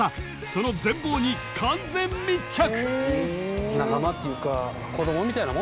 ［その全貌に完全密着］